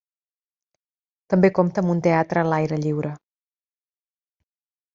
També compta amb un teatre a l'aire lliure.